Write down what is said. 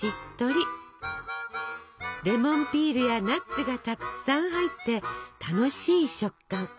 レモンピールやナッツがたくさん入って楽しい食感。